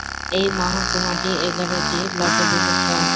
এই মহকুমাটি এগারোটি ব্লকে বিভক্ত।